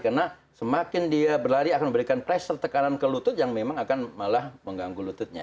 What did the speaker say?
karena semakin dia berlari akan memberikan tekanan ke lutut yang memang akan malah mengganggu lututnya